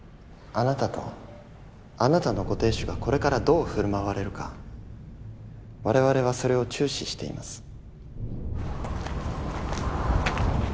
あなたとあなたのご亭主がこれからどう振る舞われるか我々はそれを注視しています。